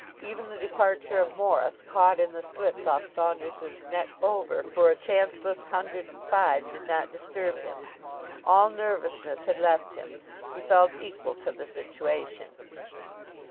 Even the departure of Morris, caught in the slips off Saunders's next over for a chanceless hundred and five, did not disturb him. All nervousness had left him. He felt equal to the situation.